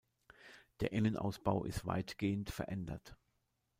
Der Innenausbau ist weitgehend verändert.